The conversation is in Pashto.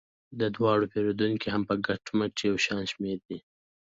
د دواړو پیرودونکي هم په کټ مټ یو شان شمیر دي.